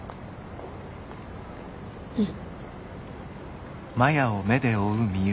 うん。